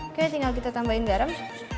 oke tinggal kita tambahin garam